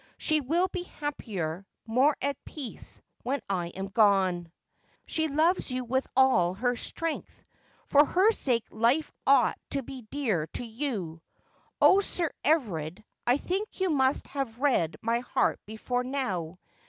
She will be happier, more at peace, when I am gone.' ' She loves you with all her strength. For her sa.ke life ought to be dear to you. Oh, Sir Everard, I think you must have read my heart before now.